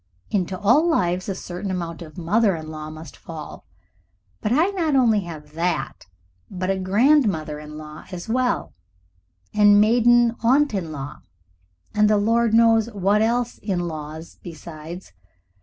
Into all lives a certain amount of mother in law must fall, but I not only have that, but a grandmother in law as well, and maiden aunt in law, and the Lord knows what else in law besides.